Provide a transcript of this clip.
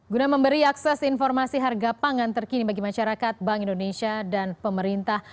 guna memberi akses informasi harga pangan terkini bagi masyarakat bank indonesia dan pemerintah